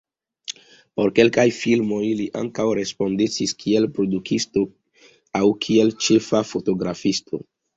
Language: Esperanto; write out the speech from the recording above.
Por kelkaj filmoj li ankaŭ respondecis kiel produktisto aŭ kiel ĉefa fotografisto.